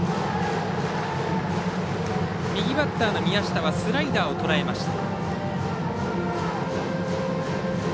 右バッターの宮下はスライダーをとらえました。